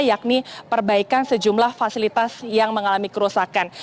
yakni perbaikan sejumlah fasilitas yang mengalami kerusakan